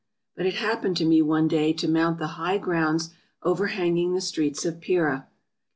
But it hap pened to me one day to mount the high grounds overhang ing the streets of Pera.